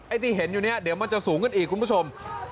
ที่เห็นอยู่เนี่ยเดี๋ยวมันจะสูงขึ้นอีกคุณผู้ชม